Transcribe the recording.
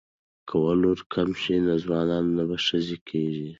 که ولور کم شي نو ځوانان نه بې ښځې کیږي.